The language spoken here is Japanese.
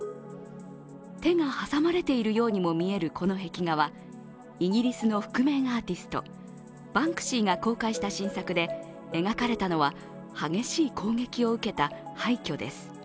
手が挟まれているようにも見えるこの壁画はイギリスの覆面アーティストバンクシーが公開した新作で描かれたのは、激しい攻撃を受けた廃虚です。